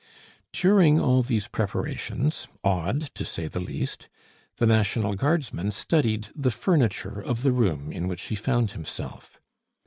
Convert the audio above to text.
During all these preparations odd, to say the least the National Guardsman studied the furniture of the room in which he found himself.